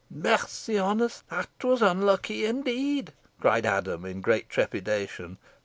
"Mercy on us! that was unlucky indeed!" cried Adam, in great trepidation.